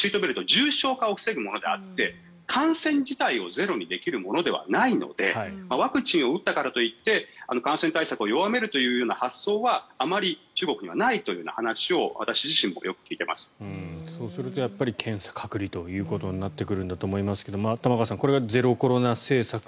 重症化を防ぐものであって感染自体をゼロにできるものではないのでワクチンを打ったからといって感染対策を弱めるという発想はあまり中国にはないという話をそうするとやっぱり検査、隔離ということになるんだと思いますが玉川さん、これがゼロコロナ政策